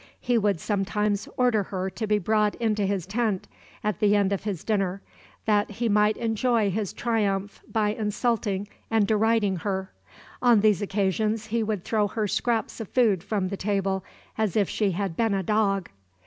He would sometimes order her to be brought into his tent, at the end of his dinner, that he might enjoy his triumph by insulting and deriding her. On these occasions he would throw her scraps of food from the table as if she had been a dog.